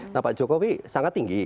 nah pak jokowi sangat tinggi